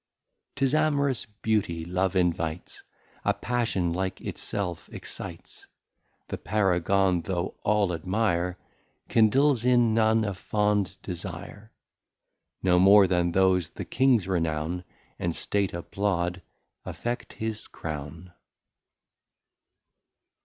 IV. 'Tis Am'rous Beauty Love invites, A Passion, like it self, excites: The Paragon, though all admire, Kindles in none a fond desire: No more than those the Kings Renown And State applaud, affect his Crown.